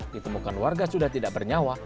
ditemukan warga sudah tidak bernyawa